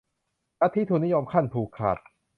ลัทธิทุนนิยมขั้นผูกขาด